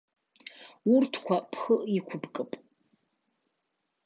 Урҭқәа бхы иқәыбкып.